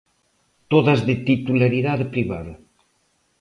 Todas de titularidade privada.